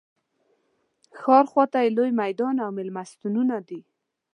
ښار خواته یې لوی میدان او مېلمستونونه دي.